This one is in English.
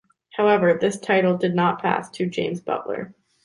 However, this title did not pass to James Butler.